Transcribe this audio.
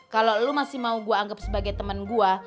kalau lo masih mau gue anggap sebagai temen gue